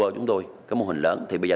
chúng tôi tính toán